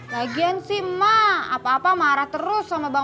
lagian sih ma apa apa marah terus sama bapaknya